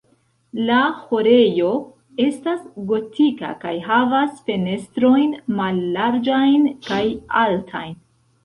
La ĥorejo estas gotika kaj havas fenestrojn mallarĝajn kaj altajn.